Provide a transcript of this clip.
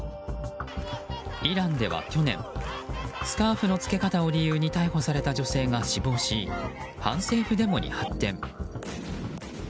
イランでは去年スカーフの着け方を理由に逮捕された女性が死亡し反政府デモに発展。